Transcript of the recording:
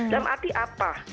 dalam arti apa